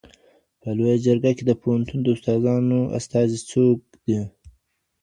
په لویه جرګه کي د پوهنتون د استادانو استازي څوک دي؟